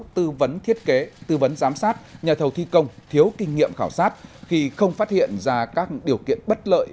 tư vấn thiết kế tư vấn giám sát nhà thầu thi công thiếu kinh nghiệm khảo sát khi không phát hiện ra các điều kiện bất lợi